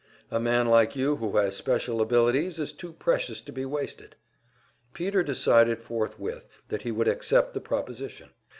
A man like you, who has special abilities, is too precious to be wasted." Peter decided forthwith that he would accept the proposition.